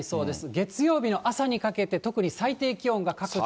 月曜日の朝にかけて、特に最低気温が各地。